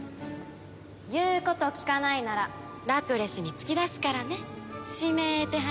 言うこと聞かないならラクレスに突き出すからね指名手配犯さん。